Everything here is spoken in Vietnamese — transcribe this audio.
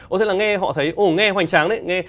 ồ thế là nghe họ thấy ồ nghe hoành tráng đấy